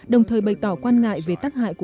đồng thời bày tỏ quan ngại về tắc